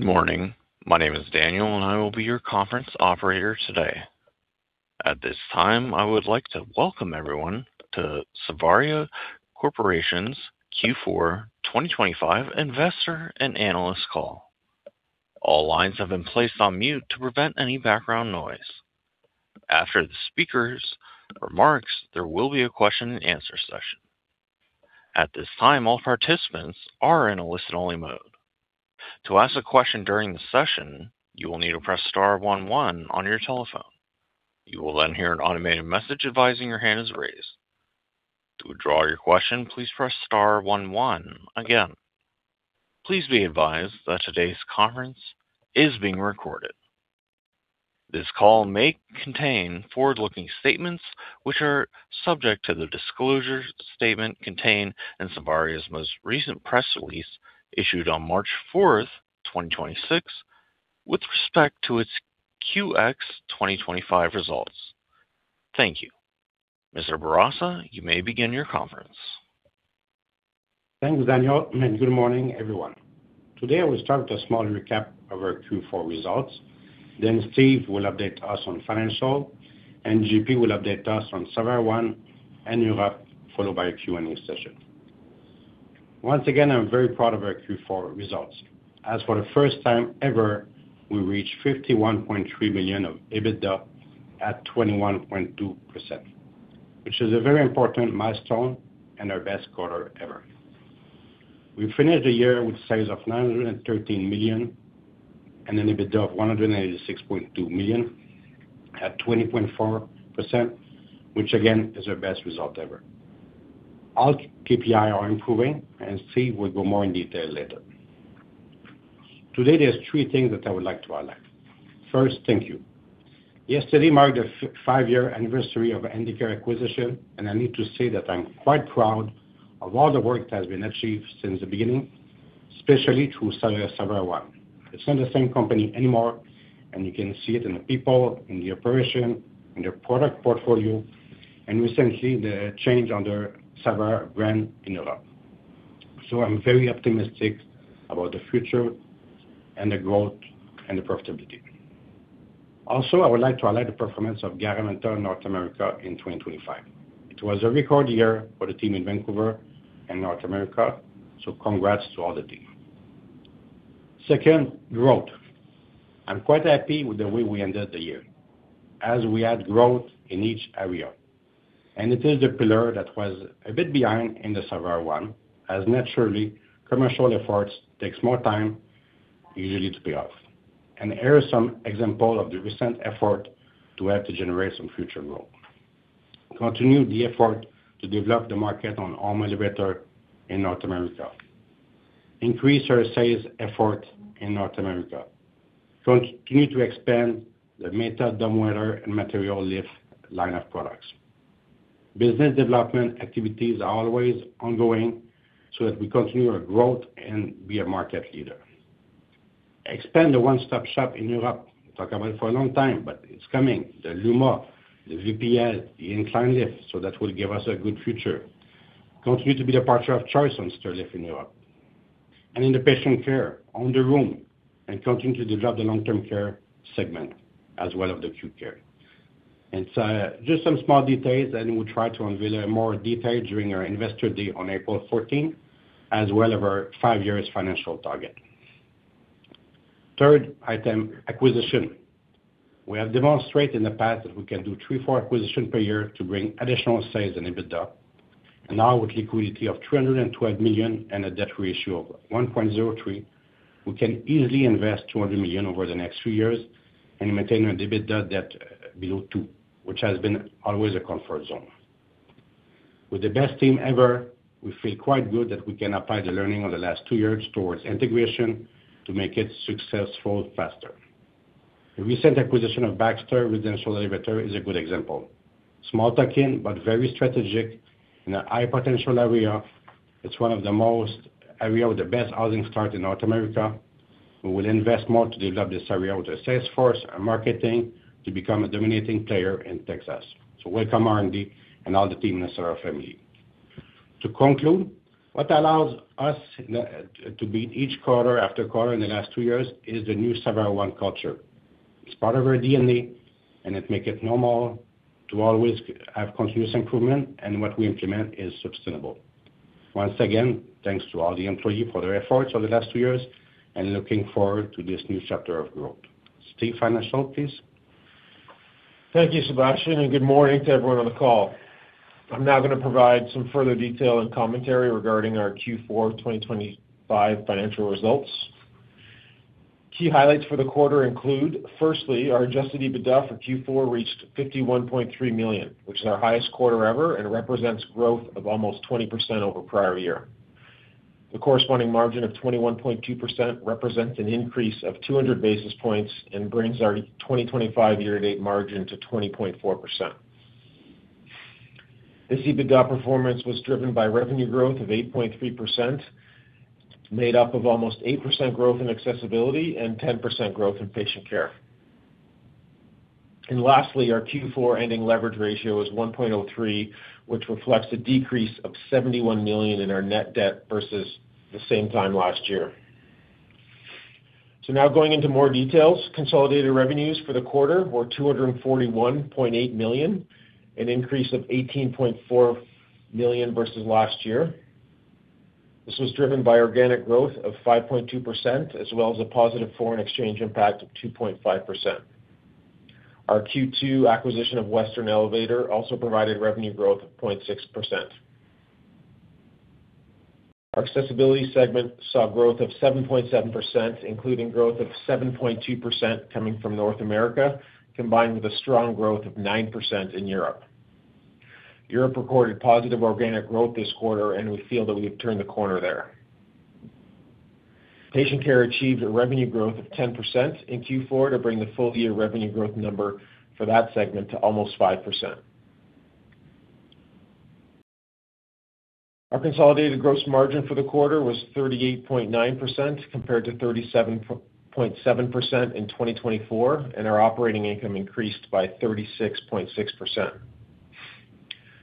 Good morning. My name is Daniel, and I will be your conference operator today. At this time, I would like to welcome everyone to Savaria Corporation's Q4 2025 Investor and Analyst Call. All lines have been placed on mute to prevent any background noise. After the speaker's remarks, there will be a question and answer session. At this time, all participants are in a listen-only mode. To ask a question during the session, you will need to press star one one on your telephone. You will then hear an automated message advising your hand is raised. To withdraw your question, please press star one one again. Please be advised that today's conference is being recorded. This call may contain forward-looking statements which are subject to the disclosure statement contained in Savaria's most recent press release issued on March 4th, 2026, with respect to its Q4 2025 results. Thank you. Mr. Bourassa, you may begin your conference. Thanks, Daniel, and good morning, everyone. Today I will start with a small recap of our Q4 results. Steve will update us on financial, and JP will update us on Savaria One and Europe, followed by a Q&A session. Once again, I'm very proud of our Q4 results, as for the first time ever, we reached 51.3 million of EBITDA at 21.2%, which is a very important milestone and our best quarter ever. We finished the year with sales of 913 million and an EBITDA of 186.2 million at 20.4%, which again, is our best result ever. All KPI are improving, and Steve will go more in detail later. Today, there's three things that I would like to highlight. First, thank you. Yesterday marked the five-year anniversary of Handicare acquisition, and I need to say that I'm quite proud of all the work that has been achieved since the beginning, especially through Savaria One. It's not the same company anymore, and you can see it in the people, in the operation, in the product portfolio, and recently the change under Savaria brand in Europe. I'm very optimistic about the future and the growth and the profitability. Also, I would like to highlight the performance of Garaventa North America in 2025. It was a record year for the team in Vancouver and North America, congrats to all the team. Second, growth. I'm quite happy with the way we ended the year as we had growth in each area. It is the pillar that was a bit behind in the Savaria One, as naturally, commercial efforts takes more time usually to pay off. Here are some example of the recent effort to help to generate some future growth. Continue the effort to develop the market on all my elevator in North America. Increase our sales effort in North America. Continue to expand the Matot dumbwaiter and material lift line of products. Business development activities are always ongoing so that we continue our growth and be a market leader. Expand the one-stop shop in Europe. Talk about it for a long time, but it's coming. The Luma, the VPL, the incline lift, so that will give us a good future. Continue to be the partner of choice on stairlift in Europe. In the patient care, own the room and continue to develop the long-term care segment as well as the acute care. Just some small details, and we'll try to unveil more detail during our investor day on April 14th, as well as our five years financial target. Third item, acquisition. We have demonstrated in the past that we can do three, four acquisition per year to bring additional sales and EBITDA. Now with liquidity of 212 million and a debt ratio of 1.03, we can easily invest 200 million over the next three years and maintain our EBITDA debt below 2, which has been always a comfort zone. With the best team ever, we feel quite good that we can apply the learning of the last two years towards integration to make it successful faster. The recent acquisition of Baxter Residential Elevator is a good example. Small tuck-in, very strategic. In a high potential area, it's one of the most area with the best housing start in North America. We will invest more to develop this area with the sales force and marketing to become a dominating player in Texas. Welcome, R&D and all the team in our family. To conclude, what allows us to beat each quarter after quarter in the last two years is the new Savaria One culture. It's part of our DNA, it make it normal to always have continuous improvement, what we implement is sustainable. Once again, thanks to all the employees for their efforts over the last two years and looking forward to this new chapter of growth. Steve, financial, please. Thank you, Sébastien. Good morning to everyone on the call. I'm now gonna provide some further detail and commentary regarding our Q4 2025 financial results. Key highlights for the quarter include, firstly, our adjusted EBITDA for Q4 reached 51.3 million, which is our highest quarter ever and represents growth of almost 20% over prior year. The corresponding margin of 21.2% represents an increase of 200 basis points and brings our 2025 year-to-date margin to 20.4%. This EBITDA performance was driven by revenue growth of 8.3%, made up of almost 8% growth in accessibility and 10% growth in patient care. Lastly, our Q4 ending leverage ratio is 1.03, which reflects a decrease of 71 million in our net debt versus the same time last year. Now going into more details. Consolidated revenues for the quarter were 241.8 million, an increase of 18.4 million versus last year. This was driven by organic growth of 5.2% as well as a positive foreign exchange impact of 2.5%. Our Q2 acquisition of Western Elevator also provided revenue growth of 0.6%. Our accessibility segment saw growth of 7.7%, including growth of 7.2% coming from North America, combined with a strong growth of 9% in Europe. Europe recorded positive organic growth this quarter. We feel that we have turned the corner there. Patient care achieved a revenue growth of 10% in Q4 to bring the full-year revenue growth number for that segment to almost 5%. Our consolidated gross margin for the quarter was 38.9% compared to 37.7% in 2024, and our operating income increased by 36.6%.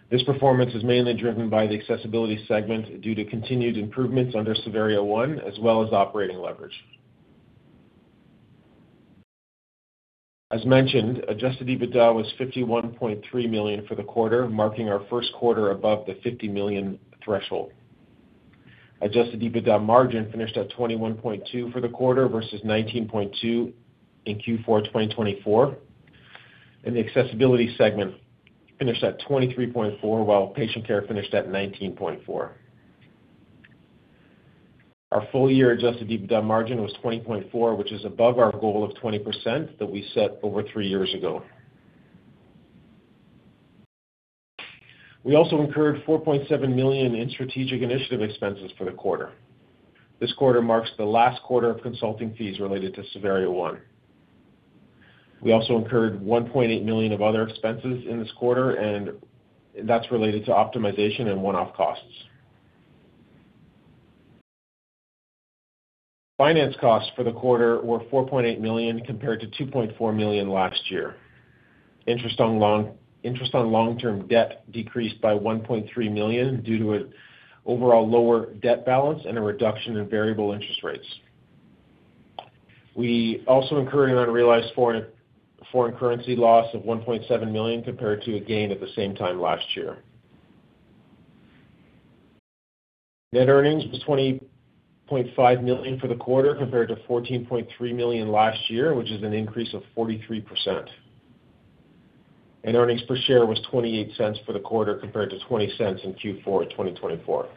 This performance is mainly driven by the accessibility segment due to continued improvements under Savaria One as well as operating leverage. As mentioned, adjusted EBITDA was 51.3 million for the quarter, marking our first quarter above the 50 million threshold. Adjusted EBITDA margin finished at 21.2% for the quarter versus 19.2% in Q4 2024. The accessibility segment finished at 23.4%, while patient care finished at 19.4%. Our full-year adjusted EBITDA margin was 20.4%, which is above our goal of 20% that we set over three years ago. We also incurred 4.7 million in strategic initiative expenses for the quarter. This quarter marks the last quarter of consulting fees related to Savaria One. We also incurred 1.8 million of other expenses in this quarter, that's related to optimization and one-off costs. Finance costs for the quarter were 4.8 million compared to 2.4 million last year. Interest on long-term debt decreased by 1.3 million due to an overall lower debt balance and a reduction in variable interest rates. We also incurred an unrealized foreign currency loss of 1.7 million compared to a gain at the same time last year. Net earnings was 20.5 million for the quarter compared to 14.3 million last year, which is an increase of 43%. Earnings per share was 0.28 for the quarter compared to 0.20 in Q4 2024.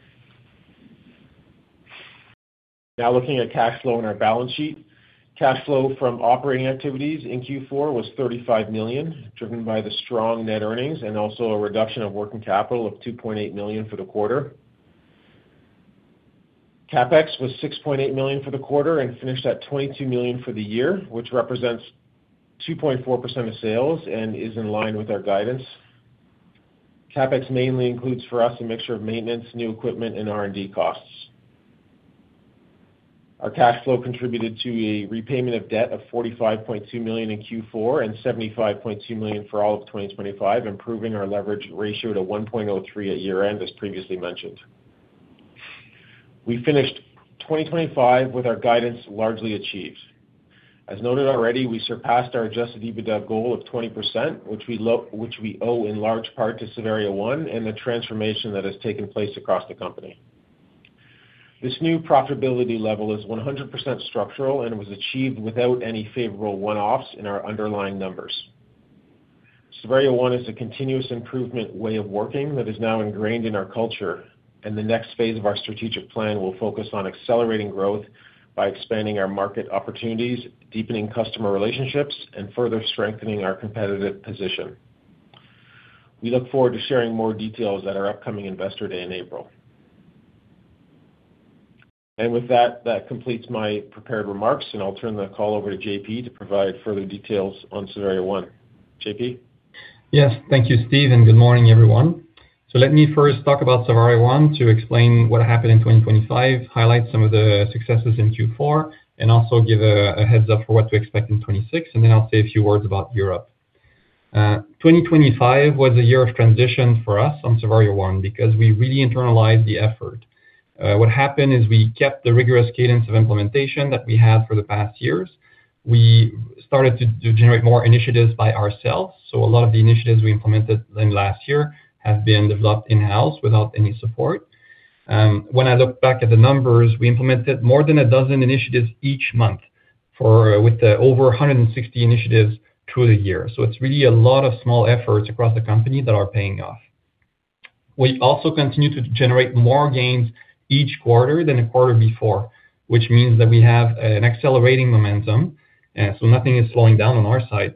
Looking at cash flow in our balance sheet. Cash flow from operating activities in Q4 was 35 million, driven by the strong net earnings and also a reduction of working capital of 2.8 million for the quarter. CapEx was 6.8 million for the quarter and finished at 22 million for the year, which represents 2.4% of sales and is in line with our guidance. CapEx mainly includes for us a mixture of maintenance, new equipment, and R&D costs. Our cash flow contributed to a repayment of debt of 45.2 million in Q4 and 75.2 million for all of 2025, improving our leverage ratio to 1.03 at year-end as previously mentioned. We finished 2025 with our guidance largely achieved. As noted already, we surpassed our adjusted EBITDA goal of 20%, which we owe in large part to Savaria One and the transformation that has taken place across the company. This new profitability level is 100% structural and was achieved without any favorable one-offs in our underlying numbers. Savaria One is a continuous improvement way of working that is now ingrained in our culture, and the next phase of our strategic plan will focus on accelerating growth by expanding our market opportunities, deepening customer relationships, and further strengthening our competitive position. We look forward to sharing more details at our upcoming Investor Day in April. With that completes my prepared remarks, and I'll turn the call over to JP to provide further details on Savaria One. JP? Yes. Thank you, Steve, and good morning, everyone. Let me first talk about Savaria One to explain what happened in 2025, highlight some of the successes in Q4, and also give a heads up for what to expect in 2026, and then I'll say a few words about Europe. 2025 was a year of transition for us on Savaria One because we really internalized the effort. What happened is we kept the rigorous cadence of implementation that we had for the past years. We started to generate more initiatives by ourselves. A lot of the initiatives we implemented in last year have been developed in-house without any support. When I look back at the numbers, we implemented more than a dozen initiatives each month for with over 160 initiatives through the year. It's really a lot of small efforts across the company that are paying off. We also continue to generate more gains each quarter than the quarter before, which means that we have an accelerating momentum. Nothing is slowing down on our side.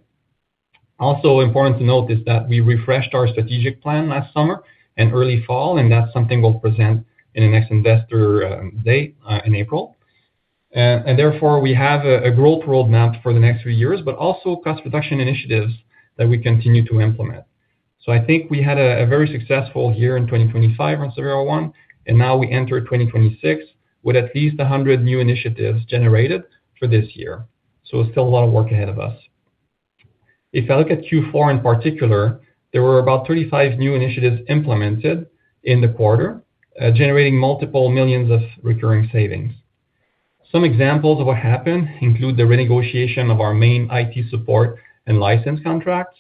Also important to note is that we refreshed our strategic plan last summer and early fall, and that's something we'll present in the next Investor Day in April. Therefore, we have a growth roadmap for the next three years, but also cost reduction initiatives that we continue to implement. I think we had a very successful year in 2025 on Savaria One, and now we enter 2026 with at least 100 new initiatives generated for this year. Still a lot of work ahead of us. If I look at Q4 in particular, there were about 35 new initiatives implemented in the quarter, generating multiple millions of recurring savings. Some examples of what happened include the renegotiation of our main IT support and license contracts.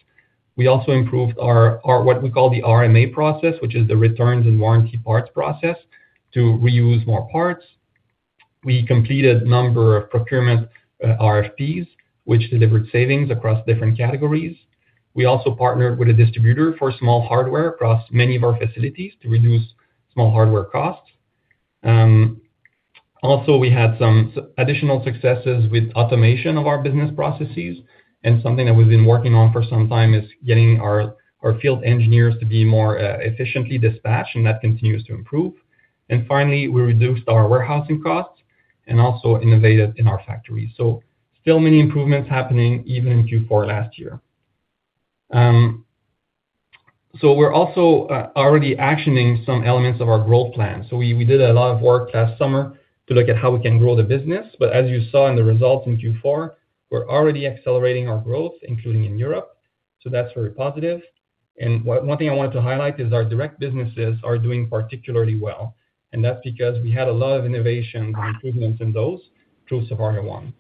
We also improved our what we call the RMA process, which is the returns and warranty parts process to reuse more parts. We completed a number of procurement, RFPs, which delivered savings across different categories. We also partnered with a distributor for small hardware across many of our facilities to reduce small hardware costs. Also we had some additional successes with automation of our business processes, and something that we've been working on for some time is getting our field engineers to be more efficiently dispatched, and that continues to improve. Finally, we reduced our warehousing costs and also innovated in our factories. Still many improvements happening even in Q4 last year. We're also already actioning some elements of our growth plan. We did a lot of work last summer to look at how we can grow the business. As you saw in the results in Q4, we're already accelerating our growth, including in Europe. That's very positive. One thing I wanted to highlight is our direct businesses are doing particularly well, and that's because we had a lot of innovation and improvements in those through Savaria One.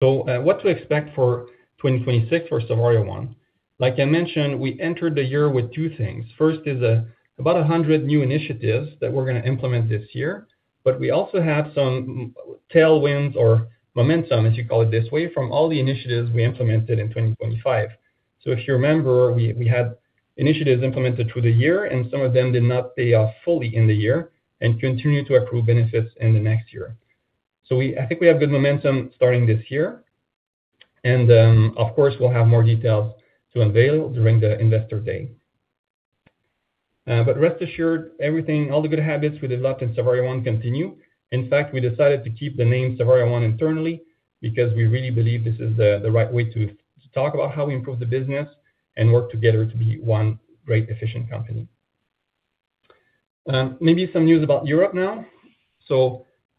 What to expect for 2026 for Savaria One. Like I mentioned, we entered the year with two things. First is about 100 new initiatives that we're gonna implement this year. We also have some tailwinds or momentum, as you call it this way, from all the initiatives we implemented in 2025. If you remember, we had initiatives implemented through the year, and some of them did not pay off fully in the year and continue to accrue benefits in the next year. I think we have good momentum starting this year and, of course, we'll have more details to unveil during the investor day. Rest assured, everything, all the good habits we developed in Savaria One continue. In fact, we decided to keep the name Savaria One internally because we really believe this is the right way to talk about how we improve the business and work together to be one great efficient company. Maybe some news about Europe now.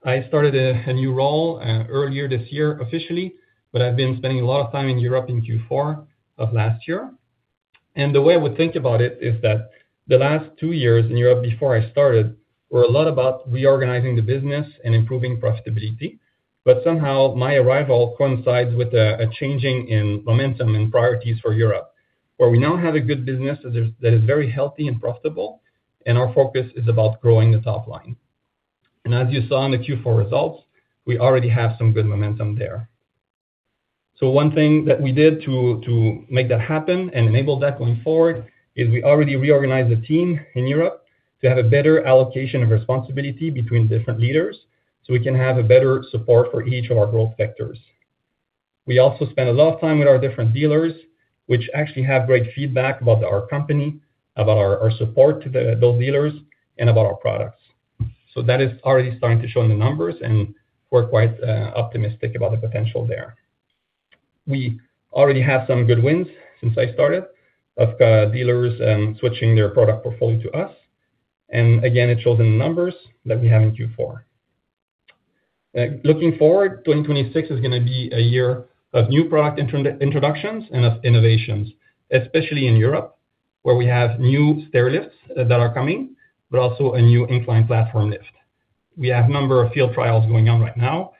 I started a new role earlier this year officially, but I've been spending a lot of time in Europe in Q4 of last year. The way I would think about it is that the last two years in Europe before I started were a lot about reorganizing the business and improving profitability. Somehow my arrival coincides with a changing in momentum and priorities for Europe, where we now have a good business that is very healthy and profitable, and our focus is about growing the top line. As you saw in the Q4 results, we already have some good momentum there. One thing that we did to make that happen and enable that going forward is we already reorganized the team in Europe to have a better allocation of responsibility between different leaders, so we can have a better support for each of our growth vectors. We also spend a lot of time with our different dealers, which actually have great feedback about our company, about our support to the, those dealers, and about our products. That is already starting to show in the numbers, and we're quite optimistic about the potential there. We already have some good wins since I started of dealers switching their product portfolio to us. Again, it shows in the numbers that we have in Q4. Looking forward, 2026 is gonna be a year of new product introductions and of innovations, especially in Europe, where we have new stair lifts that are coming, but also a new incline platform lift. We have a number of field trials going on right now.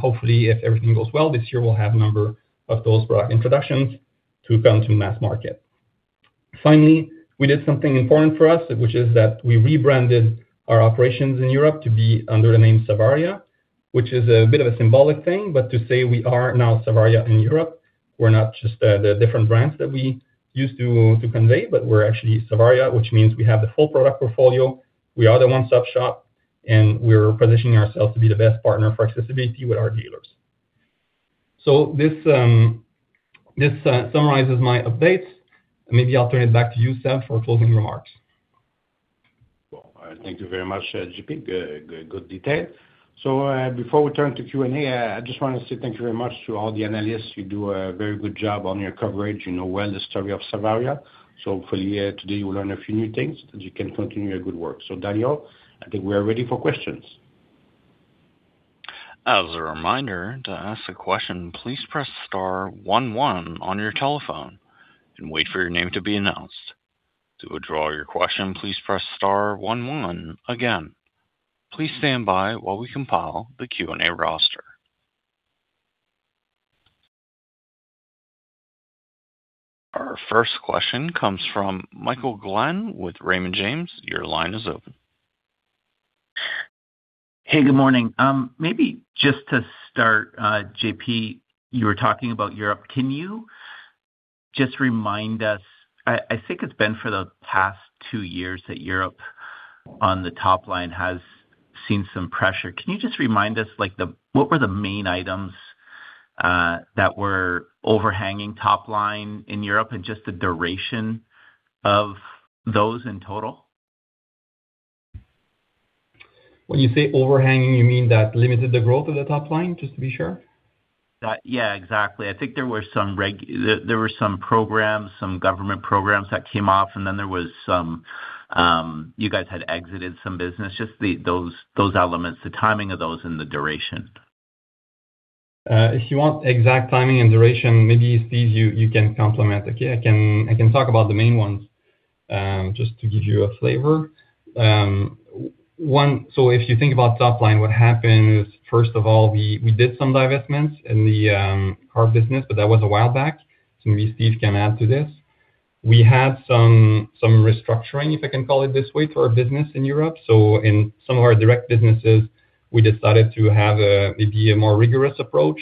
Hopefully, if everything goes well this year, we'll have a number of those product introductions to come to mass market. Finally, we did something important for us, which is that we rebranded our operations in Europe to be under the name Savaria, which is a bit of a symbolic thing, but to say we are now Savaria in Europe. We're not just the different brands that we used to convey, but we're actually Savaria, which means we have the full product portfolio. We are the one-stop shop, and we're positioning ourselves to be the best partner for accessibility with our dealers. This summarizes my updates. Maybe I'll turn it back to you, Seb, for closing remarks. Thank you very much, JP. Good detail. Before we turn to Q&A, I just want to say thank you very much to all the analysts. You do a very good job on your coverage. You know well the story of Savaria. Hopefully, today you will learn a few new things, and you can continue your good work. Daniel, I think we are ready for questions. As a reminder, to ask a question, please press star one one on your telephone and wait for your name to be announced. To withdraw your question, please press star one one again. Please stand by while we compile the Q&A roster. Our first question comes from Michael Glen with Raymond James. Your line is open. Hey, good morning. Maybe just to start, JP, you were talking about Europe. Can you just remind us? I think it's been for the past two years that Europe on the top line has seen some pressure. Can you just remind us, what were the main items that were overhanging top line in Europe and just the duration of those in total? When you say overhanging, you mean that limited the growth of the top line? Just to be sure. Yeah, exactly. I think there were some programs, some government programs that came off, and then there was some, you guys had exited some business. Just those elements, the timing of those and the duration. If you want exact timing and duration, maybe, Steve, you can complement. Okay. I can, I can talk about the main ones, just to give you a flavor. If you think about top line, what happened is, first of all, we did some divestments in the car business, but that was a while back. Maybe Steve can add to this. We had some restructuring, if I can call it this way, to our business in Europe. \In some of our direct businesses, we decided to have a, maybe a more rigorous approach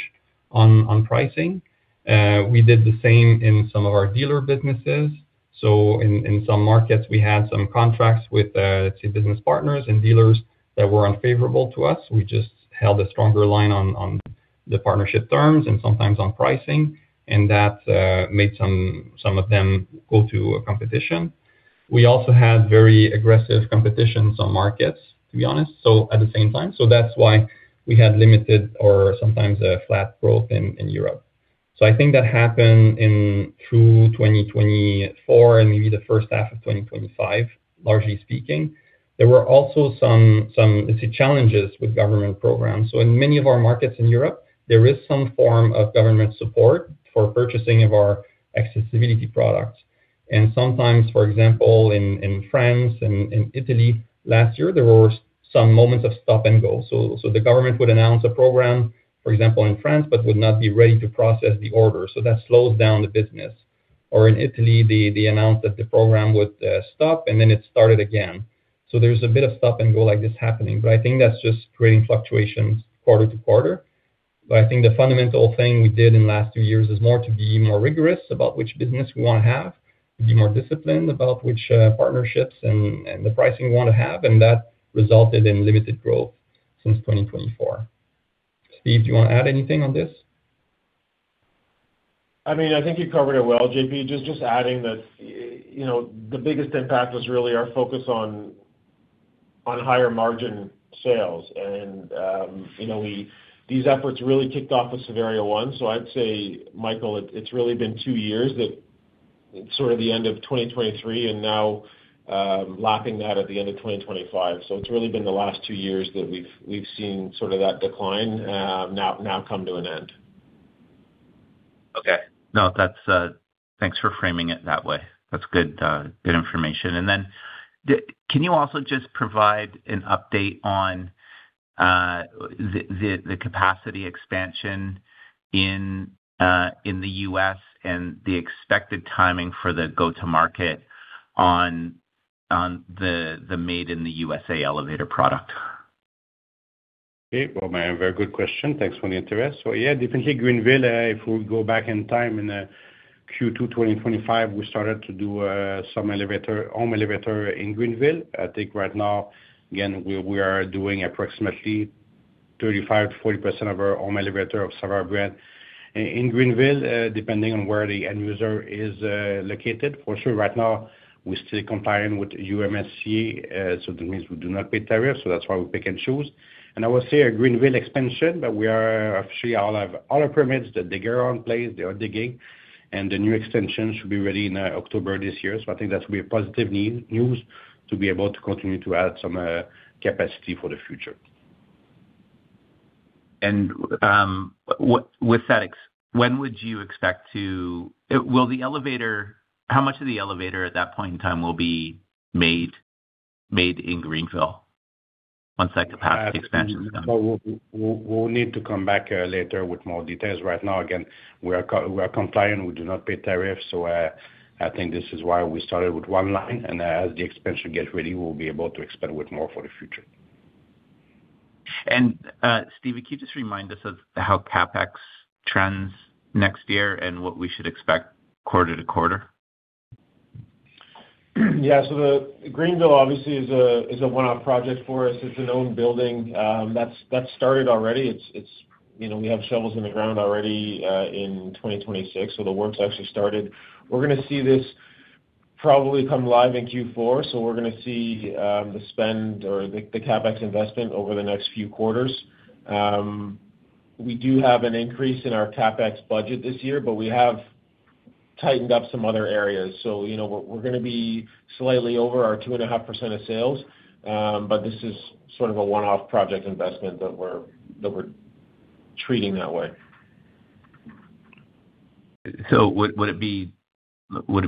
on pricing. We did the same in some of our dealer businesses. In some markets, we had some contracts with, let's say, business partners and dealers that were unfavorable to us. We just held a stronger line on the partnership terms and sometimes on pricing, and that made some of them go to a competition. We also had very aggressive competition, some markets, to be honest. At the same time. That's why we had limited or sometimes a flat growth in Europe. I think that happened in through 2024 and maybe the first half of 2025, largely speaking. There were also some, let's say, challenges with government programs. In many of our markets in Europe, there is some form of government support for purchasing of our accessibility products. Sometimes, for example, in France and in Italy last year, there were some moments of stop and go. The government would announce a program, for example, in France, but would not be ready to process the order, so that slows down the business. In Italy, they announced that the program would stop, and then it started again. There's a bit of stop and go like this happening, but I think that's just creating fluctuations quarter-to-quarter. I think the fundamental thing we did in the last two years is more to be more rigorous about which business we wanna have, to be more disciplined about which partnerships and the pricing we wanna have and that resulted in limited growth since 2024. Steve, do you wanna add anything on this? I mean, I think you covered it well, JP. Just adding that, you know, the biggest impact was really our focus on higher margin sales. You know, these efforts really kicked off with Savaria One. I'd say, Michael, it's really been two years that sort of the end of 2023 and now, lapping that at the end of 2025. It's really been the last two years that we've seen sort of that decline, now come to an end. Okay. No, that's. Thanks for framing it that way. That's good information. Then can you also just provide an update on the capacity expansion in the U.S. and the expected timing for the go-to-market on the Made in the U.S.A. elevator product? Well, a very good question. Thanks for the interest. Yeah, definitely Greenville, if we go back in time in Q2 2025, we started to do some elevator, home elevator in Greenville. I think right now, again, we are doing approximately 35%-40% of our home elevator of Savaria brand in Greenville, depending on where the end user is located. For sure right now, we're still complying with USMCA, so that means we do not pay tariff, so that's why we pick and choose. I will say our Greenville expansion, but we are actually all our permits, the digger are in place, they are digging, and the new extension should be ready in October this year.I think that will be a positive news to be able to continue to add some capacity for the future. When would you expect to? How much of the elevator at that point in time will be made in Greenville once that capacity expansion is done? We'll need to come back later with more details. Right now, again, we are compliant. We do not pay tariffs. I think this is why we started with one line. As the expansion gets ready, we'll be able to expand with more for the future. Steve, can you just remind us of how CapEx trends next year and what we should expect quarter to quarter? The Greenville obviously is a one-off project for us. It's an owned building that's started already. It's, you know, we have shovels in the ground already in 2026, the work's actually started. We're gonna see this probably come live in Q4, we're gonna see the spend or the CapEx investment over the next few quarters. We do have an increase in our CapEx budget this year, but we have tightened up some other areas. You know, we're gonna be slightly over our 2.5% of sales, but this is sort of a one-off project investment that we're treating that way. Would it be 20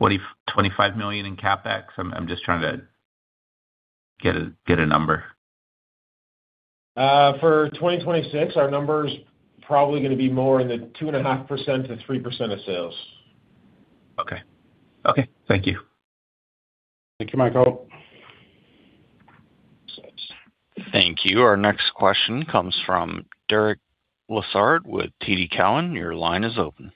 million-25 million in CapEx? I'm just trying to get a number. For 2026, our number's probably gonna be more in the 2.5%-3% of sales. Okay. Okay, thank you. Thank you, Michael. Thank you. Our next question comes from Derek Lessard with TD Cowen. Your line is open.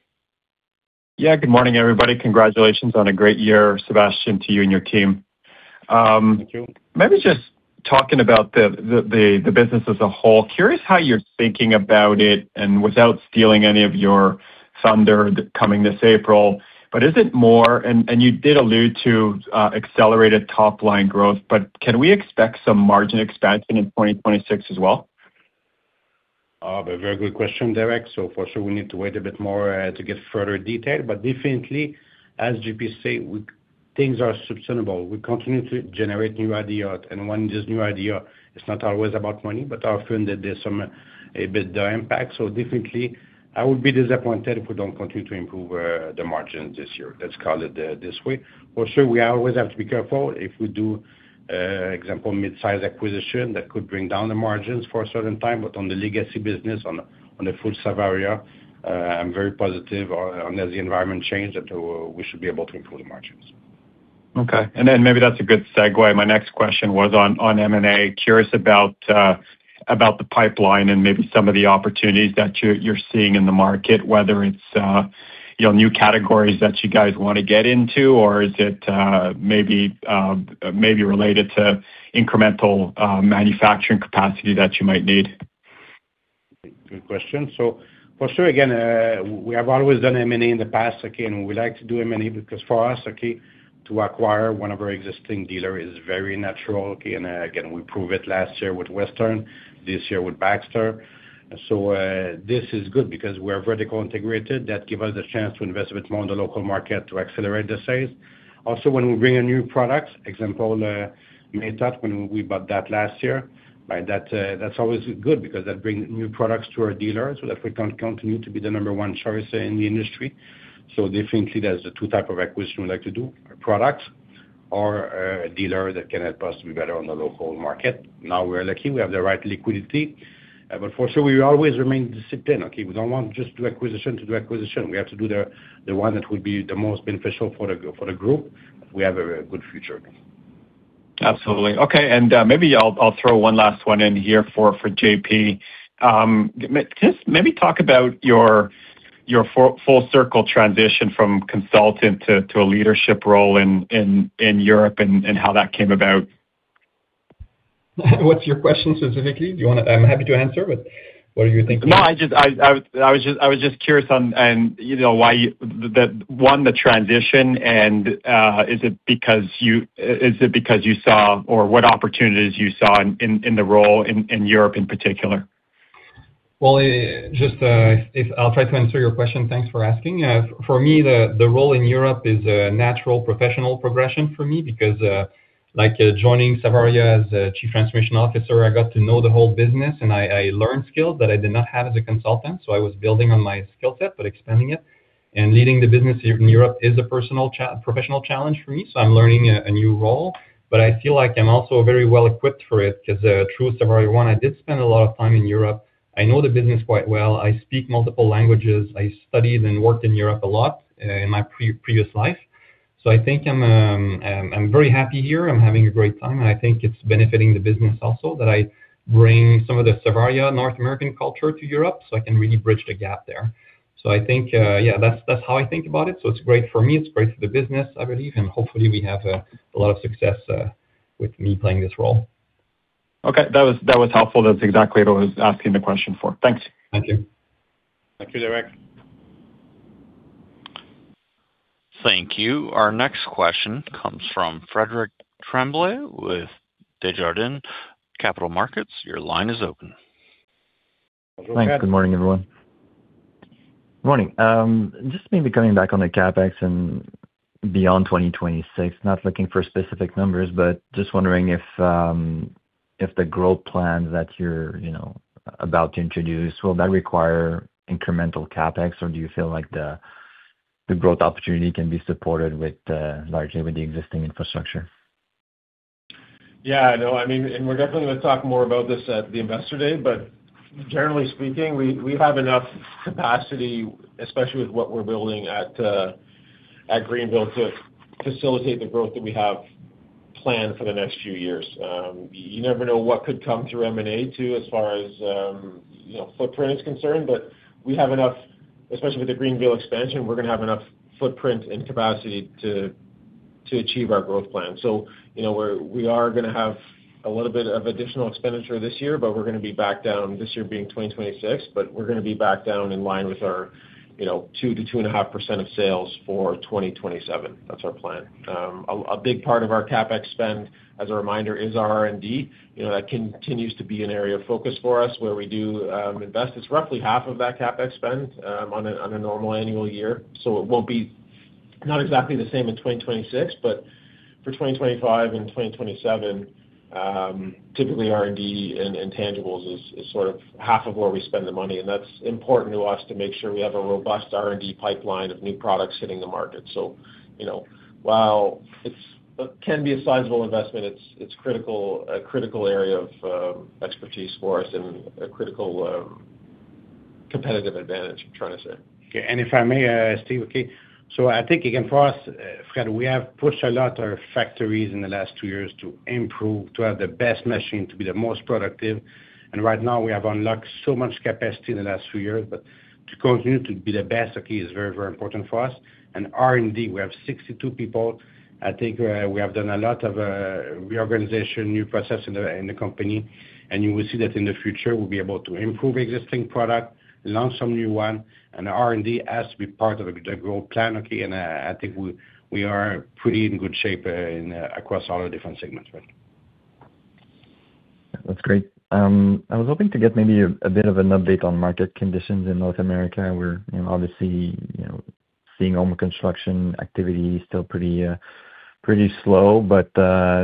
Yeah, good morning, everybody. Congratulations on a great year, Sébastien, to you and your team. Thank you. Maybe just talking about the business as a whole. Curious how you're thinking about it and without stealing any of your thunder coming this April, but is it more... You did allude to accelerated top-line growth, but can we expect some margin expansion in 2026 as well? A very good question, Derek. For sure we need to wait a bit more to get further detail. Definitely, as JP say, things are sustainable. We continue to generate new idea. When this new idea, it's not always about money, but often there's some, a bit impact. Definitely I would be disappointed if we don't continue to improve the margins this year. Let's call it this way. For sure, we always have to be careful if we do, example, midsize acquisition that could bring down the margins for a certain time. On the legacy business, on a full Savaria, I'm very positive as the environment change that we should be able to improve the margins. Okay. Maybe that's a good segue. My next question was on M&A. Curious about the pipeline and maybe some of the opportunities that you're seeing in the market, whether it's, you know, new categories that you guys wanna get into, or is it maybe related to incremental manufacturing capacity that you might need? Good question. For sure, again, we have always done M&A in the past. We like to do M&A because for us to acquire one of our existing dealer is very natural. Again, we prove it last year with Western, this year with Baxter. This is good because we're vertical integrated, that give us a chance to invest a bit more in the local market to accelerate the sales. Also, when we bring in new products, example, you made that when we bought that last year. That's always good because that bring new products to our dealers so that we can continue to be the number one choice in the industry. Definitely there's the two type of acquisition we like to do, products or a dealer that can help us to be better on the local market. Now we are lucky, we have the right liquidity. For sure we will always remain disciplined, okay? We don't want just do acquisition to do acquisition. We have to do the one that will be the most beneficial for the group. We have a very good future. Absolutely. Okay. Maybe I'll throw one last one in here for JP. Can you maybe talk about your full circle transition from consultant to a leadership role in Europe and how that came about? What's your question specifically? I'm happy to answer, but what are you thinking? I just, I was just curious on and, you know, why that, one, the transition and, is it because you saw or what opportunities you saw in the role in Europe in particular? Well, just I'll try to answer your question. Thanks for asking. For me, the role in Europe is a natural professional progression for me because like joining Savaria as a chief transformation officer, I got to know the whole business and I learned skills that I did not have as a consultant. I was building on my skill set but expanding it. Leading the business here in Europe is a personal professional challenge for me, I'm learning a new role. I feel like I'm also very well equipped for it 'cause through Savaria One I did spend a lot of time in Europe. I know the business quite well. I speak multiple languages. I studied and worked in Europe a lot in my pre-previous life. I think I'm very happy here. I'm having a great time. I think it's benefiting the business also that I bring some of the Savaria North American culture to Europe so I can really bridge the gap there. I think, yeah, that's how I think about it. It's great for me. It's great for the business, I believe. Hopefully we have a lot of success with me playing this role. Okay. That was helpful. That's exactly what I was asking the question for. Thanks. Thank you. Thank you, Derek. Thank you. Our next question comes from Frederic Tremblay with Desjardins Capital Markets. Your line is open. Thanks. Good morning, everyone. Morning. Just maybe coming back on the CapEx and beyond 2026. Not looking for specific numbers, but just wondering if the growth plan that you're, you know, about to introduce, will that require incremental CapEx, or do you feel like the growth opportunity can be supported with, largely with the existing infrastructure? I mean, we're definitely gonna talk more about this at the Investor Day, generally speaking, we have enough capacity, especially with what we're building at Greenville to facilitate the growth that we have planned for the next few years. You never know what could come through M&A too as far as, you know, footprint is concerned, we have enough, especially with the Greenville expansion, we're gonna have enough footprint and capacity to achieve our growth plan. You know, we are gonna have a little bit of additional expenditure this year, we're gonna be back down, this year being 2026, we're gonna be back down in line with our, you know, 2% to 2.5% of sales for 2027. That's our plan. A, a big part of our CapEx spend, as a reminder, is our R&D. You know, that continues to be an area of focus for us where we do invest. It's roughly half of that CapEx spend on a, on a normal annual year. It won't be not exactly the same in 2026, but for 2025 and 2027, typically R&D and intangibles is sort of half of where we spend the money. That's important to us to make sure we have a robust R&D pipeline of new products hitting the market. You know, while it's can be a sizable investment, it's critical, a critical area of expertise for us and a critical competitive advantage I'm trying to say. Okay. If I may, Steve, okay. I think again for us, Frederic, we have pushed a lot our factories in the last two years to improve, to have the best machine, to be the most productive. Right now we have unlocked so much capacity in the last few years. To continue to be the best, okay, is very, very important for us. R&D, we have 62 people. I think, we have done a lot of reorganization, new process in the company. You will see that in the future we'll be able to improve existing product, launch some new one, and R&D has to be part of the growth plan, okay? I think we are pretty in good shape in across all our different segments, right? That's great. I was hoping to get a bit of an update on market conditions in North America, where, you know, obviously, you know, seeing home construction activity still pretty slow, but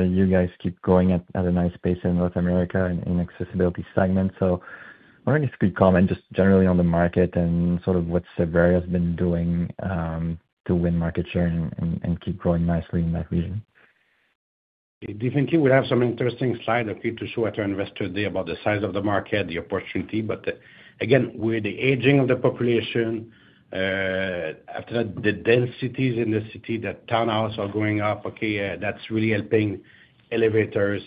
you guys keep growing at a nice pace in North America in accessibility segment. I wonder if you could comment just generally on the market and sort of what Savaria has been doing to win market share and keep growing nicely in that region. Definitely, we have some interesting slide, okay, to show at our Investor Day about the size of the market, the opportunity. Again, with the aging of the population, after that, the dense cities in the city, the townhouse are going up, okay, that's really helping elevators.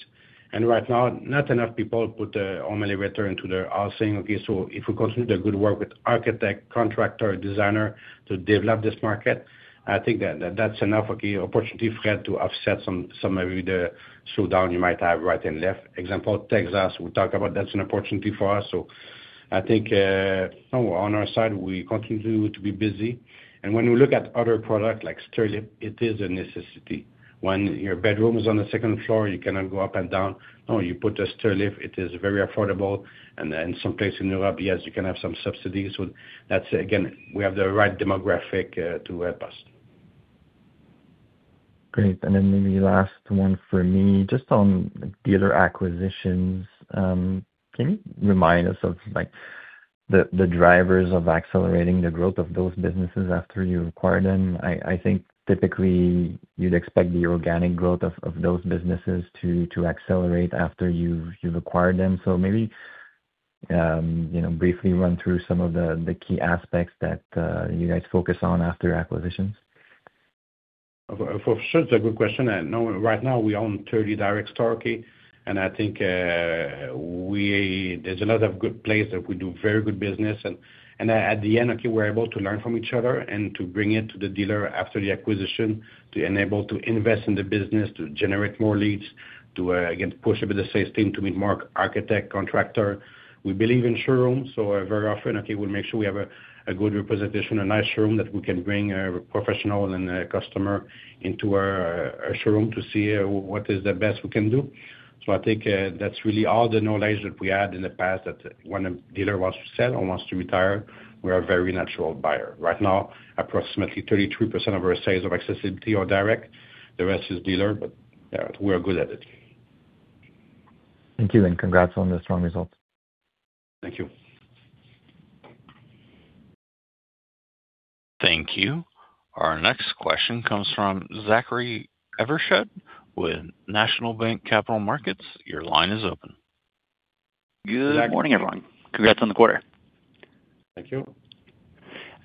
Right now, not enough people put home elevator into their housing, okay. If we continue the good work with architect, contractor, designer to develop this market, I think that's enough, okay, opportunity for that to offset some maybe the slowdown you might have right and left. Example, Texas, we talk about that's an opportunity for us. I think, on our side, we continue to be busy. When we look at other product like stair lift, it is a necessity. When your bedroom is on the second floor, you cannot go up and down. No, you put a stair lift. It is very affordable. Some place in Europe, yes, you can have some subsidies. That's, again, we have the right demographic, to help us. Great. Maybe last one for me. Just on dealer acquisitions, can you remind us of, like, the drivers of accelerating the growth of those businesses after you acquire them? I think typically you'd expect the organic growth of those businesses to accelerate after you've acquired them. Maybe, you know, briefly run through some of the key aspects that you guys focus on after acquisitions. For sure. It's a good question. No, right now we own 30 direct stores, and I think there's a lot of good place that we do very good business. At the end, okay, we're able to learn from each other and to bring it to the dealer after the acquisition to enable to invest in the business, to generate more leads, to again, push a bit the sales team to meet more architect, contractor. We believe in showrooms, so very often, okay, we'll make sure we have a good representation, a nice showroom that we can bring a professional and a customer into our showroom to see what is the best we can do. I think, that's really all the knowledge that we had in the past that when a dealer wants to sell or wants to retire, we're a very natural buyer. Right now, approximately 33% of our sales of accessibility are direct. The rest is dealer, but we are good at it. Thank you, congrats on the strong results. Thank you. Thank you. Our next question comes from Zachary Evershed with National Bank Capital Markets. Your line is open. Good morning, everyone. Congrats on the quarter. Thank you.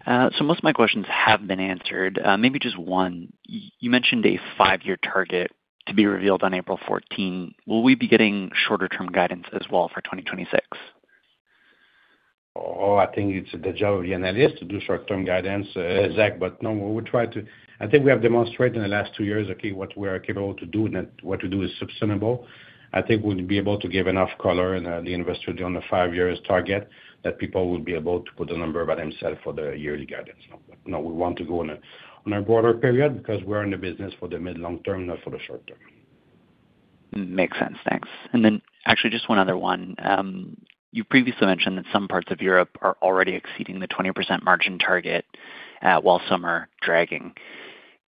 Most of my questions have been answered. Maybe just one. You mentioned a five-year target to be revealed on April 14. Will we be getting shorter term guidance as well for 2026? I think it's the job of the analyst to do short-term guidance, Zach. No, we try to. I think we have demonstrated in the last two years, okay, what we are capable to do, and what we do is sustainable. I think we'll be able to give enough color the Investor Day on the five years target that people will be able to put a number by themselves for the yearly guidance. We want to go on a, on a broader period because we're in the business for the mid long term, not for the short term. Makes sense. Thanks. Actually just one other one. You previously mentioned that some parts of Europe are already exceeding the 20% margin target, while some are dragging.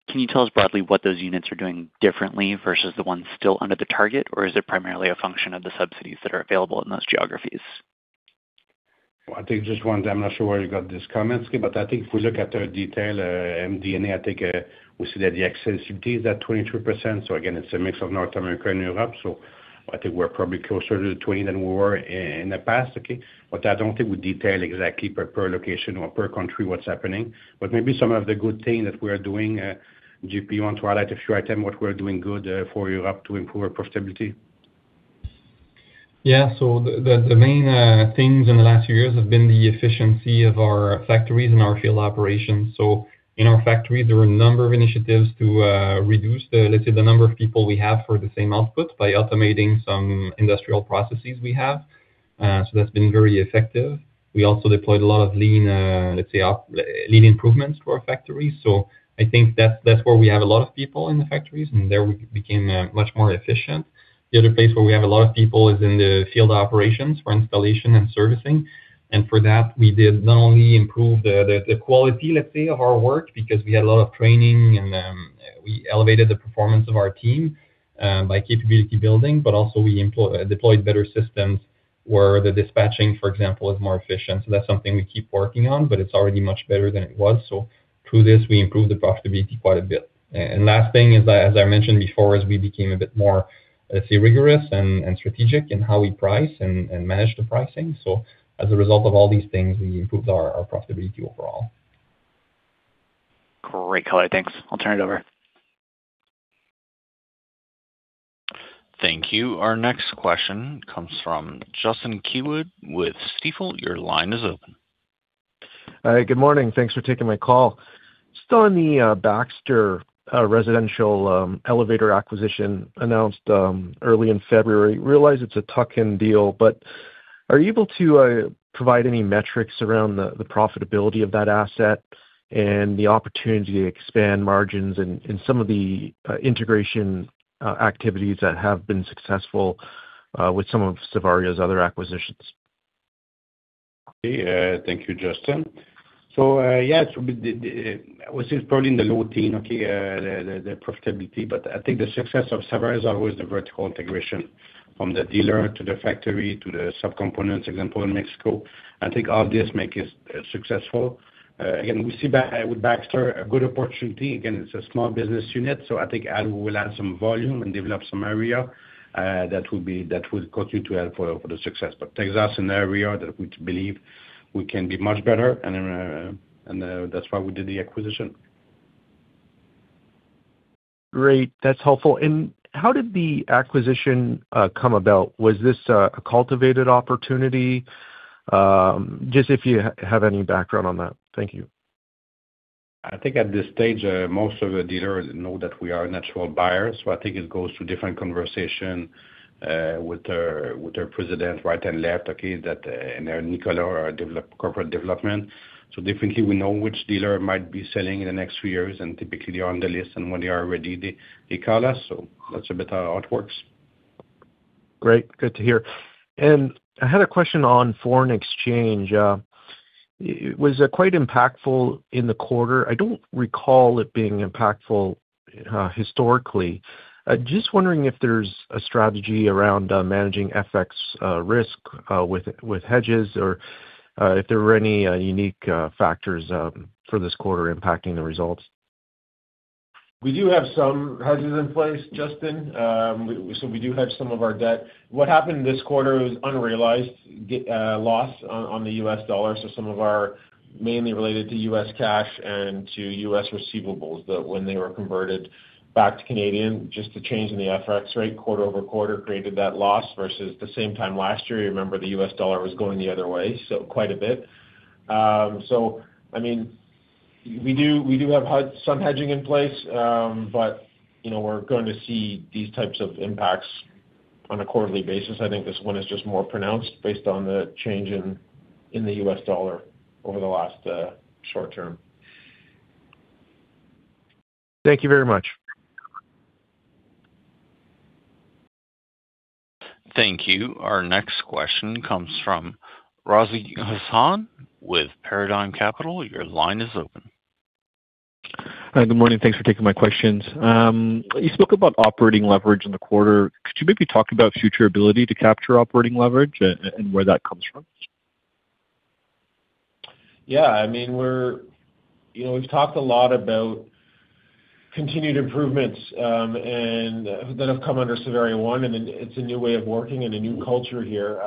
Can you tell us broadly what those units are doing differently versus the ones still under the target? Or is it primarily a function of the subsidies that are available in those geographies? I think just one. I'm not sure where you got this comment. I think if we look at the detail, MD&A, I think, we see that the accessibility is at 22%. Again, it's a mix of North America and Europe. I think we're probably closer to 20% than we were in the past, okay? I don't think we detail exactly per location or per country what's happening. Maybe some of the good thing that we're doing, JP, you want to highlight a few item what we're doing good, for Europe to improve our profitability? The main things in the last few years have been the efficiency of our factories and our field operations. In our factories, there were a number of initiatives to reduce the, let's say, the number of people we have for the same output by automating some industrial processes we have. That's been very effective. We also deployed a lot of lean, let's say, lean improvements to our factories. I think that's where we have a lot of people in the factories, and there we became much more efficient. The other place where we have a lot of people is in the field operations for installation and servicing. For that, we did not only improve the quality, let's say, of our work because we had a lot of training and we elevated the performance of our team by capability building, but also we deployed better systems where the dispatching, for example, is more efficient. That's something we keep working on, but it's already much better than it was. Through this, we improved the profitability quite a bit. Last thing is, as I mentioned before, is we became a bit more, let's say, rigorous and strategic in how we price and manage the pricing. As a result of all these things, we improved our profitability overall. Great color. Thanks. I'll turn it over. Thank you. Our next question comes from Justin Keywood with Stifel. Your line is open. Good morning. Thanks for taking my call. Still on the Baxter residential elevator acquisition announced early in February. Realize it's a tuck-in deal. Are you able to provide any metrics around the profitability of that asset and the opportunity to expand margins and some of the integration activities that have been successful with some of Savaria's other acquisitions? Okay. Thank you, Justin. We did which is probably in the low teen, okay, the profitability. I think the success of Savaria is always the vertical integration from the dealer to the factory to the subcomponents, example, in Mexico. I think all this make us successful. Again, we see with Baxter a good opportunity. Again, it's a small business unit, I think we will add some volume and develop some area that will continue to help for the success. Takes us in an area that we believe we can be much better and that's why we did the acquisition. Great. That's helpful. How did the acquisition come about? Was this a cultivated opportunity? Just if you have any background on that. Thank you. I think at this stage, most of the dealers know that we are natural buyers. I think it goes to different conversation with their president right and left, okay, that, and then Nicolas, our corporate development. Definitely we know which dealer might be selling in the next few years, and typically they're on the list. When they are ready, they call us. That's a bit how it works. Great. Good to hear. I had a question on foreign exchange. It was quite impactful in the quarter. I don't recall it being impactful historically. Just wondering if there's a strategy around managing FX risk with hedges or if there were any unique factors for this quarter impacting the results? We do have some hedges in place, Justin. We, so we do hedge some of our debt. What happened this quarter was unrealized loss on the US dollar. Some of our mainly related to US cash and to US receivables that when they were converted back to Canadian, just a change in the FX rate quarter-over-quarter created that loss versus the same time last year, you remember the US dollar was going the other way, so quite a bit. I mean, we do, we do have some hedging in place, but, you know, we're going to see these types of impacts on a quarterly basis. I think this one is just more pronounced based on the change in the US dollar over the last short term. Thank you very much. Thank you. Our next question comes from Razi Hasan with Paradigm Capital. Your line is open. Hi. Good morning. Thanks for taking my questions. You spoke about operating leverage in the quarter. Could you maybe talk about future ability to capture operating leverage and where that comes from? I mean, you know, we've talked a lot about continued improvements, and that have come under Savaria One, and it's a new way of working and a new culture here.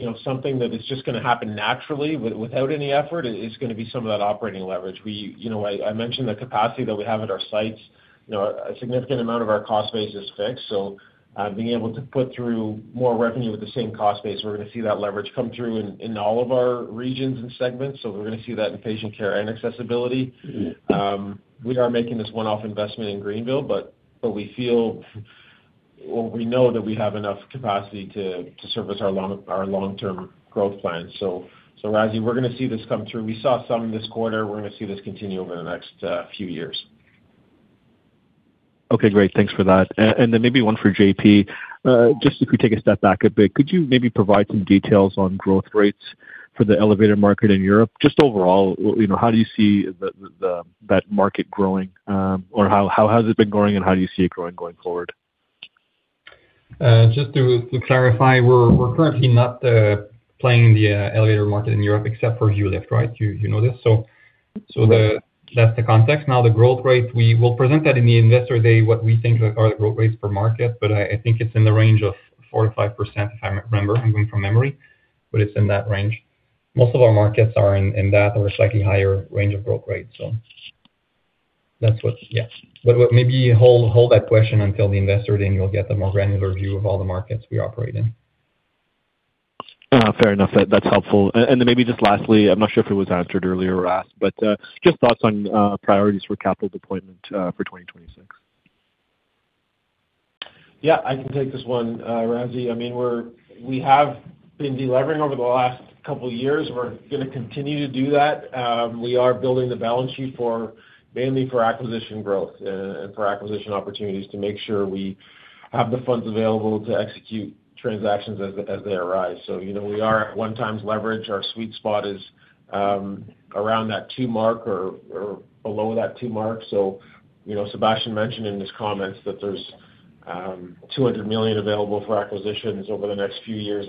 You know, something that is just gonna happen naturally without any effort is gonna be some of that operating leverage. You know, I mentioned the capacity that we have at our sites. You know, a significant amount of our cost base is fixed, so being able to put through more revenue with the same cost base, we're gonna see that leverage come through in all of our regions and segments. We're gonna see that in patient care and accessibility. We are making this one-off investment in Greenville, but we feel or we know that we have enough capacity to service our long-term growth plans. Razi, we're gonna see this come through. We saw some this quarter. We're gonna see this continue over the next few years. Okay. Great. Thanks for that. Then maybe one for JP. Just if we take a step back a bit, could you maybe provide some details on growth rates for the elevator market in Europe? Just overall, you know, how do you see the market growing? How has it been growing, and how do you see it growing going forward? Just to clarify, we're currently not playing in the elevator market in Europe except for Vuelift, right? You know this. Mm-hmm. That's the context. The growth rate, we will present that in the Investor Day, what we think, like, are the growth rates per market. I think it's in the range of 4%-5%, if I re-remember. I'm going from memory. It's in that range. Most of our markets are in that or slightly higher range of growth rate. That's what's. Yes. What maybe hold that question until the Investor Day, and you'll get the more granular view of all the markets we operate in. Fair enough. That's helpful. Then maybe just lastly, I'm not sure if it was answered earlier or asked, but just thoughts on priorities for capital deployment for 2026. Yeah. I can take this one, Razi. We have been delevering over the last couple years. We're gonna continue to do that. We are building the balance sheet for mainly for acquisition growth, and for acquisition opportunities to make sure we have the funds available to execute transactions as they arise. We are at 1x leverage. Our sweet spot is around that 2x mark or below that 2x mark. Sébastien mentioned in his comments that there's 200 million available for acquisitions over the next few years.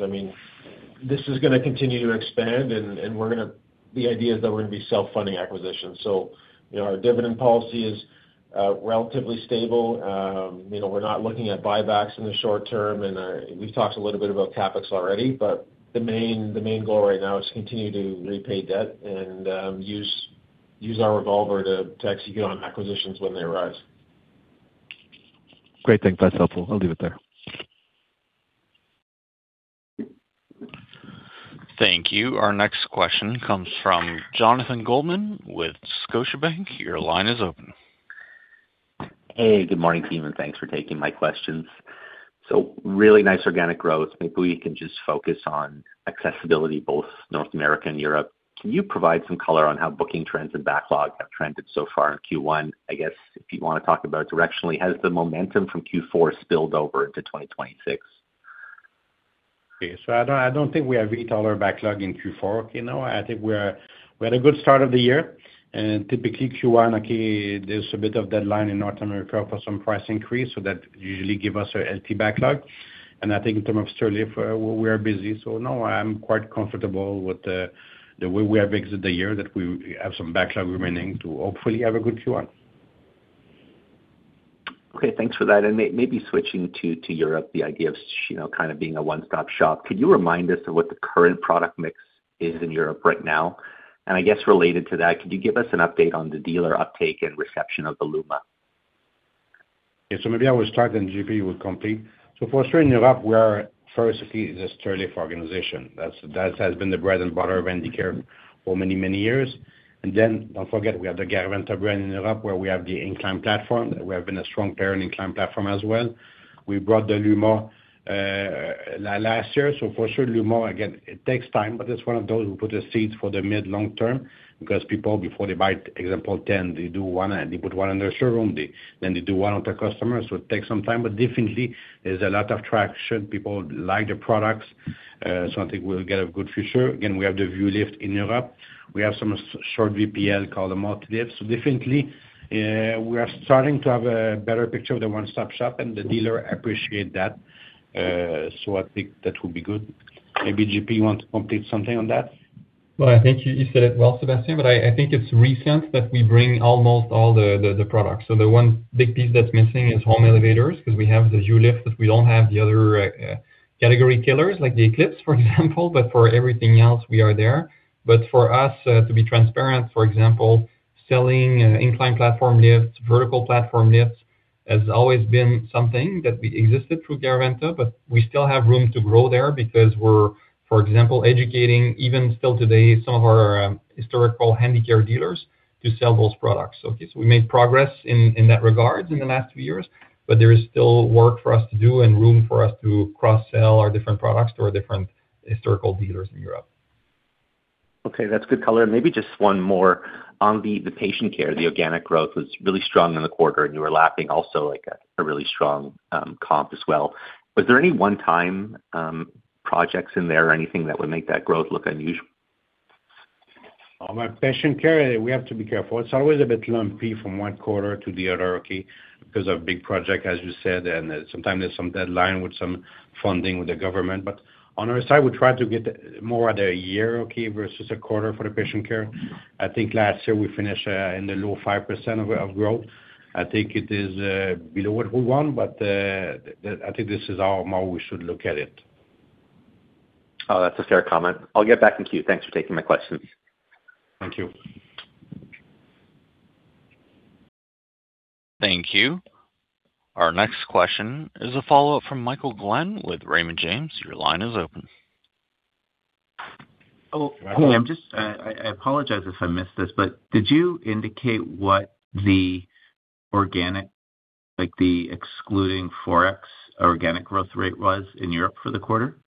This is gonna continue to expand, and the idea is that we're gonna be self-funding acquisitions. Our dividend policy is relatively stable. You know, we're not looking at buybacks in the short term, we've talked a little bit about CapEx already. The main goal right now is to continue to repay debt and use our revolver to execute on acquisitions when they arise. Great. Thanks. That's helpful. I'll leave it there. Thank you. Our next question comes from Jonathan Goldman with Scotiabank. Your line is open. Hey, good morning, team. Thanks for taking my questions. Really nice organic growth. Maybe we can just focus on accessibility, both North America and Europe. Can you provide some color on how booking trends and backlog have trended so far in Q1? I guess if you wanna talk about it directionally, has the momentum from Q4 spilled over into 2026? Okay. I don't, I don't think we have retailer backlog in Q4. You know, I think We had a good start of the year and typically Q1, okay, there's a bit of deadline in North America for some price increase, that usually give us a healthy backlog. I think in terms of Sterling, we are busy. No, I'm quite comfortable with the way we have exited the year, that we have some backlog remaining to hopefully have a good Q1. Okay, thanks for that. Maybe switching to Europe, the idea of you know, kind of being a one-stop shop, could you remind us of what the current product mix is in Europe right now? I guess related to that, could you give us an update on the dealer uptake and reception of the Luma? Maybe I will start, then JP will complete. For sure in Europe, we are first, okay, the stair lift organization. That has been the bread and butter of Handicare for many, many years. Then don't forget we have the Garaventa brand in Europe, where we have the incline platform. We have been a strong parent incline platform as well. We brought the Luma last year. For sure Luma, again, it takes time, but it's one of those who put the seeds for the mid, long term because people before they buy, example, 10, they do one and they put one in their showroom. Then they do one with their customers. It takes some time. Definitely there's a lot of traction. People like the products, so I think we'll get a good future. Again, we have the Vuelift in Europe. We have some short VPL called the Multilift. Definitely, we are starting to have a better picture of the one-stop shop and the dealer appreciate that. I think that will be good. Maybe JP want to complete something on that. I think you said it well, Sébastien, but I think it's recent that we bring almost all the products. The one big piece that's missing is home elevators, 'cause we have the Vuelift, but we don't have the other category killers like the Eclipse, for example, but for everything else we are there. For us, to be transparent, for example, selling incline platform lifts, vertical platform lifts has always been something that we existed through Garaventa, but we still have room to grow there because we're, for example, educating even still today some of our historical Handicare dealers to sell those products. Yes, we made progress in that regard in the last few years, but there is still work for us to do and room for us to cross-sell our different products to our different historical dealers in Europe. Okay, that's good color. Maybe just one more on the patient care. The organic growth was really strong in the quarter and you were lapping also like a really strong comp as well. Was there any one-time projects in there or anything that would make that growth look unusual? On my patient care we have to be careful. It's always a bit lumpy from one quarter to the other, okay, because of big project, as you said, and sometimes there's some deadline with some funding with the government. On our side, we try to get more at one year, okay, versus one quarter for the patient care. I think last year we finished in the low 5% of growth. I think it is below what we want, but I think this is how we should look at it. Oh, that's a fair comment. I'll get back in queue. Thanks for taking my questions. Thank you. Thank you. Our next question is a follow-up from Michael Glen with Raymond James. Your line is open. Oh, hi. I apologize if I missed this. Did you indicate what the organic, like, the excluding Forex organic growth rate was in Europe for the quarter?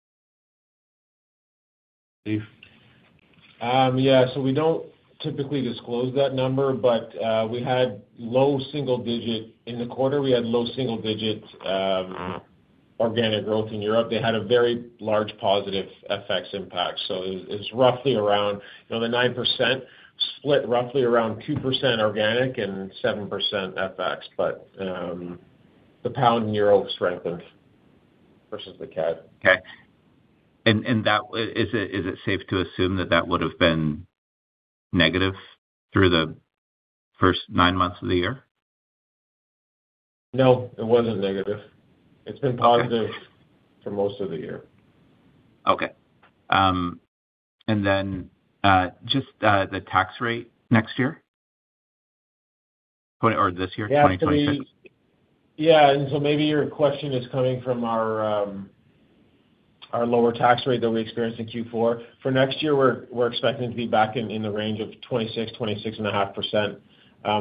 Steve? Yeah. We don't typically disclose that number, but we had low single digit organic growth in Europe. They had a very large positive FX impact. it's roughly around, you know, the 9% split roughly around 2% organic and 7% FX. the pound/euro strengthened versus the CAD. Okay. Is it safe to assume that that would have been negative through the first nine months of the year? No, it wasn't negative. It's been positive for most of the year. Okay. Just, the tax rate next year or this year, 2026? Maybe your question is coming from our lower tax rate that we experienced in Q4. For next year, we're expecting to be back in the range of 26%-26.5%.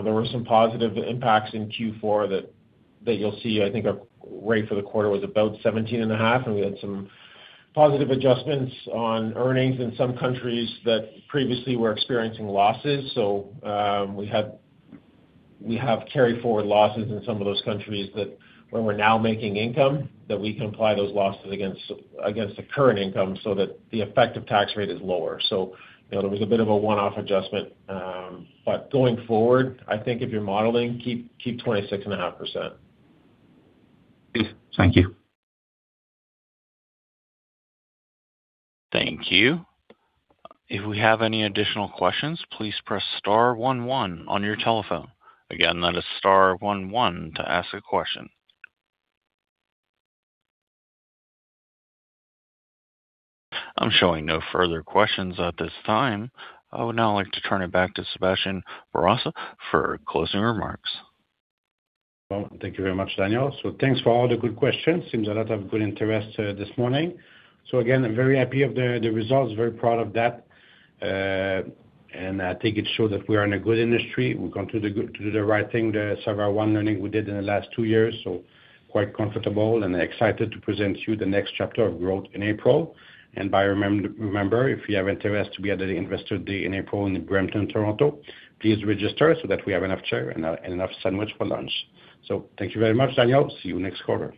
There were some positive impacts in Q4 that you'll see. I think our rate for the quarter was about 17.5%, and we had some positive adjustments on earnings in some countries that previously were experiencing losses. We have carry forward losses in some of those countries that when we're now making income, that we can apply those losses against the current income so that the effective tax rate is lower. You know, there was a bit of a one-off adjustment, but going forward, I think if you're modeling, keep 26.5%. Thank you. Thank you. If we have any additional questions, please press star one one on your telephone. Again, that is star one one to ask a question. I'm showing no further questions at this time. I would now like to turn it back to Sébastien Bourassa for closing remarks. Well, thank you very much, Daniel. Thanks for all the good questions. Seems a lot of good interest this morning. Again, I'm very happy of the results. Very proud of that. I think it shows that we are in a good industry. We're going to do the right thing, the several one learning we did in the last two years, quite comfortable and excited to present to you the next chapter of growth in April. By remember, if you have interest to be at the Investor Day in April in Brampton, Toronto, please register so that we have enough chair and enough sandwich for lunch. Thank you very much, Daniel. See you next quarter.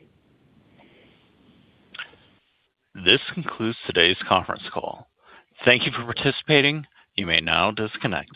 This concludes today's conference call. Thank you for participating. You may now disconnect.